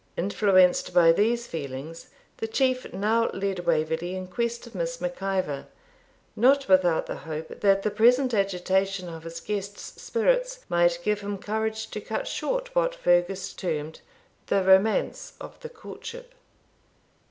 Influenced by these feelings, the Chief now led Waverley in quest of Miss Mac Ivor, not without the hope that the present agitation of his guest's spirits might give him courage to cut short what Fergus termed the romance of the courtship.